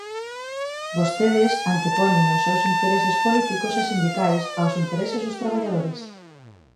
Vostedes antepoñen os seus intereses políticos e sindicais aos intereses dos traballadores.